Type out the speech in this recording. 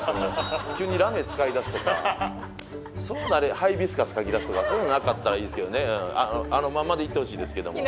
急にラメ使いだすとかハイビスカス描きだすとかそういうのなかったらいいですけどねあのまんまでいってほしいですけども。